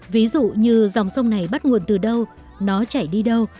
ví dụ như dòng sông này bắt nguồn từ đâu nó chảy đi đâu